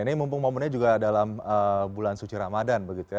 ini mumpung mumpungnya juga dalam bulan suci ramadan